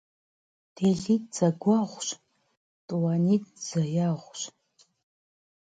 ДелитӀ зэгуэгъущ, тӀуанитӀ зэегъущ.